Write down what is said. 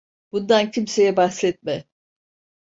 Bundan kimseye bahsetme.